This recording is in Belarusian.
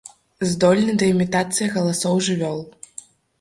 Здольны да імітацыі галасоў жывёл.